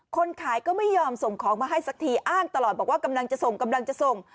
คนขายก็ไม่ยอมส่งของมาให้สักทีอ้างตลอดบอกว่ากำลังจะส่ง